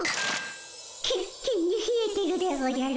キンッキンにひえてるでおじゃる。